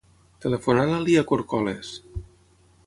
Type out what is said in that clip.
Telefona a la Lya Corcoles.